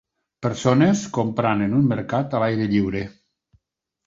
Persones comprant en un mercat a l'aire lliure.